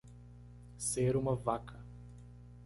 Ser uma vaca